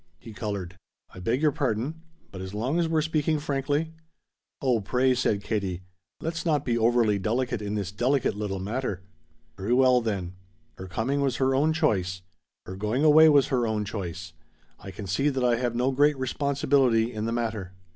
He colored. "I beg your pardon. But as long as we're speaking frankly " "Oh pray," said Katie, "let's not be overly delicate in this delicate little matter!" "Very well then. Her coming was her own choice. Her going away was her own choice. I can see that I have no great responsibility in the matter."